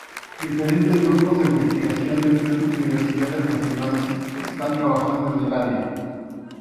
Diferentes grupos de investigación de tres universidades nacionales están trabajando en el área.